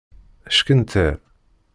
Ckenter.